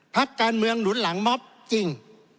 พักการเมืองหนุนหลังม็อบจริง